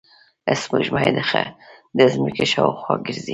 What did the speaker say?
سپوږمۍ د ځمکې شاوخوا ګرځي